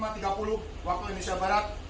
pada pukul lima tiga puluh waktu indonesia barat